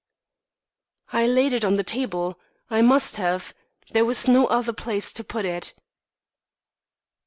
"I laid it on the table. I must have there was no other place to put it."